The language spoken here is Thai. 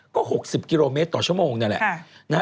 ก็๖๐กิโลเมตรต่อชั่วโมงนั่นแหละ